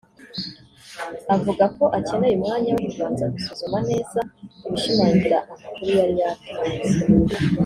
avuga ko akeneye umwanya wo kubanza gusuzuma neza ibishimangira amakuru yari yatanze